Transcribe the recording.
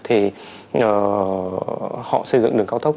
họ xây dựng đường cao tốc